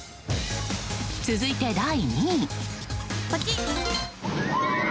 続いて、第２位。